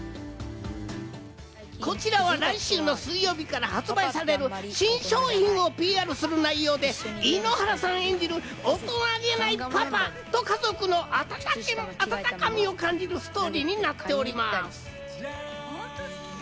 こちらは来週の水曜日から発売される新商品をＰＲする内容で、井ノ原さん演じる大人げないパパと、家族の温かみを感じるストーリーになっております。